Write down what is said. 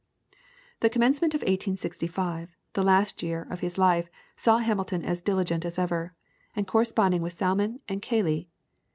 The commencement of 1865, the last year of his life saw Hamilton as diligent as ever, and corresponding with Salmon and Cayley.